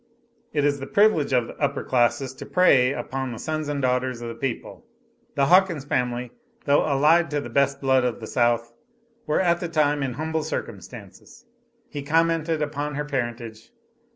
It is the privilege of the "upper classes" to prey upon the sons and daughters of the people. The Hawkins family, though allied to the best blood of the South, were at the time in humble circumstances. He commented upon her parentage.